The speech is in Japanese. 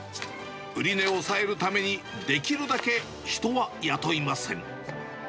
売値を抑えるために、できるだけ人は雇いません。